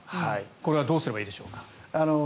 これはどうすればいいでしょうか？